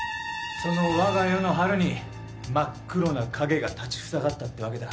その我が世の春に真っ黒な影が立ち塞がったってわけだ。